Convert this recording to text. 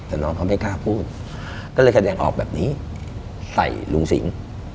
แต่น้องเขาไม่กล้าพูดก็เลยแสดงออกแบบนี้ใส่ลุงสิง